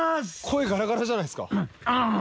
声ガラガラじゃないですか。